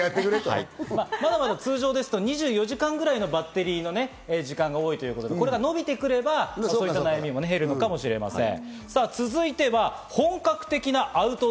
通常ですと２４時間ぐらいのバッテリーの時間が多いということで、これが伸びてくればそういった悩みも減るのかもしれません。